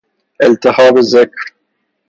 التهاب ذکر